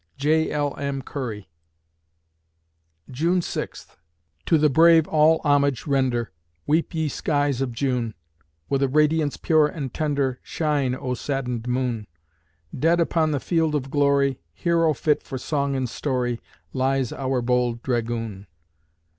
J. L. M. CURRY June Sixth To the brave all homage render, Weep ye skies of June! With a radiance pure and tender, Shine, oh saddened moon! Dead upon the field of glory, Hero fit for song and story, Lies our bold dragoon.